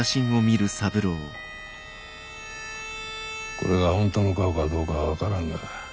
これが本当の顔かどうか分からんが。